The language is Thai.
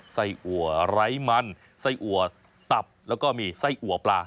ไส้อัวไร้มันไส้อัวตับแล้วก็มีไส้อัวปลา